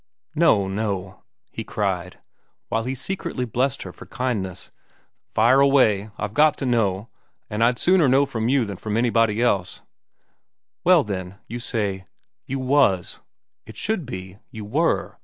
"No, no," he cried, while he secretly blessed her for her kindness. "Fire away. I've got to know, an' I'd sooner know from you than anybody else." "Well, then, you say, 'You was'; it should be, 'You were.